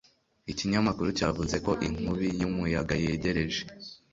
Ikinyamakuru cyavuze ko inkubi y'umuyaga yegereje.